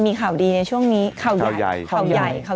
พี่หนูก็รู้จักกัน